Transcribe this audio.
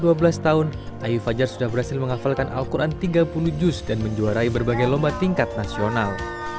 selama dua belas tahun ayu fajar sudah berhasil menghafalkan al quran tiga puluh juz dan menjuarai berbagai lomba tingkat nasional